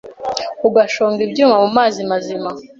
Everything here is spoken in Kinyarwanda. ugashonga ibyuma mumazi mazima